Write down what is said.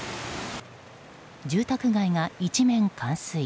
住宅街が一面冠水。